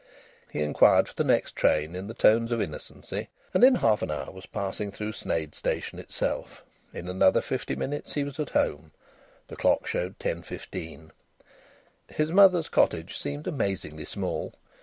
He inquired for the next train in the tones of innocency, and in half an hour was passing through Sneyd Station itself. In another fifty minutes he was at home. The clock showed ten fifteen. His mother's cottage seemed amazingly small.